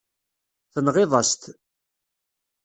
Tenɣiḍ-as-t.